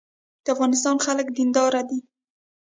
د افغانستان خلک دیندار دي